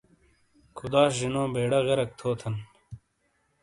خداسے زینو بیڑہ غرق تھو تھن!